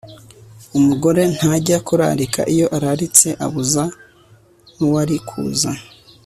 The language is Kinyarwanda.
umugore ntajya kurarika, iyo araritse abuza n'uwari kuza